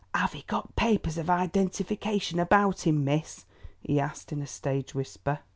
"Have he got papers of identification about him, miss?" he asked in a stage whisper.